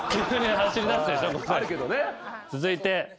続いて。